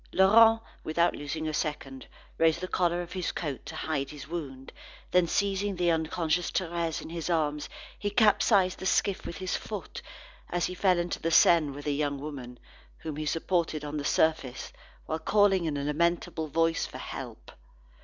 Laurent, without losing a second, raised the collar of his coat to hide his wound. Then seizing the unconscious Thérèse in his arms, he capsized the skiff with his foot, as he fell into the Seine with the young woman, whom he supported on the surface, whilst calling in a lamentable voice for help.